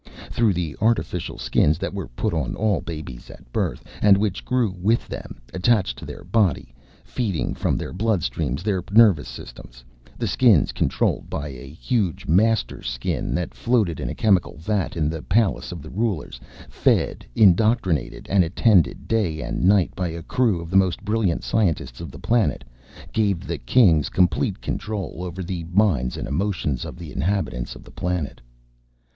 Through the artificial Skins that were put on all babies at birth and which grew with them, attached to their body, feeding from their bloodstreams, their nervous systems the Skins, controlled by a huge Master Skin that floated in a chemical vat in the palace of the rulers, fed, indoctrinated and attended day and night by a crew of the most brilliant scientists of the planet, gave the Kings complete control of the minds and emotions of the inhabitants of the planet.